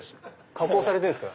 加工されてるんですか？